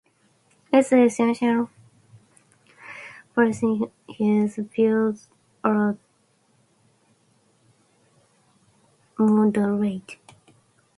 In ecclesiastical policy his views were moderate.